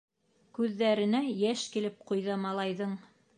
Күҙҙәренә йәш килеп ҡуйҙы малайҙың.